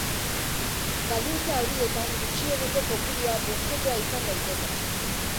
Baldintza horietan, gutxieneko kopurua bostekoa izan daiteke.